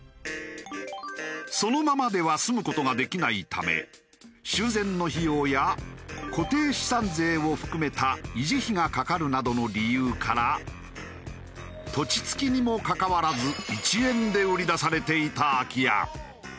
そのままでは住む事ができないため修繕の費用や固定資産税を含めた維持費がかかるなどの理由から土地付きにもかかわらず１円で売り出されていた空き家。